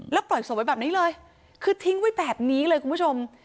แล้วปล่อยศพไว้แบบนี้เลยคือทิ้งไว้แบบนี้เลยคุณผู้ชม